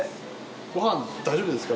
ご飯大丈夫ですか？